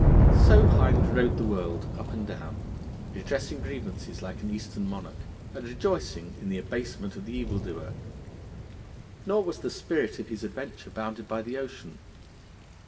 So Hind rode the world up and down, redressing grievances like an Eastern monarch, and rejoicing in the abasement of the evildoer. Nor was the spirit of his adventure bounded by the ocean.